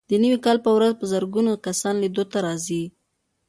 د نوي کال په ورځ په زرګونه کسان لیدو ته راځي.